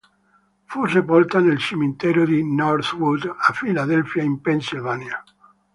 Fu sepolta nel cimitero di Northwood a Philadelphia, in Pennsylvania.